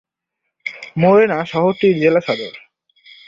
মোরেনা শহরটির জেলা সদর।